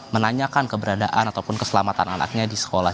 menanyakan keberadaan ataupun keselamatan anaknya di sekolah